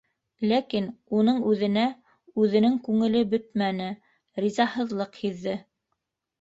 Ләкин уның үҙенә үҙенең күңеле бөтмәне, ризаһыҙлыҡ һиҙҙе.